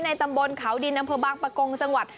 ในตำบลขาวดินอำเภบาคปะโกงจังหวัด